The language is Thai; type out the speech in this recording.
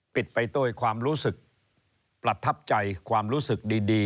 ไปด้วยความรู้สึกประทับใจความรู้สึกดี